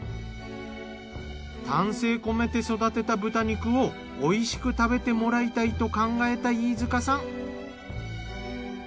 丹精込めて育てた豚肉をおいしく食べてもらいたいと考えた飯塚さん。